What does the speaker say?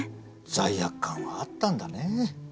罪悪感はあったんだねえ。